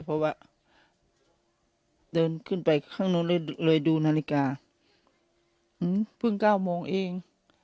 เพราะว่าเดินขึ้นไปข้างนู้นเลยดูนาฬิกาเพิ่ง๙โมงเอง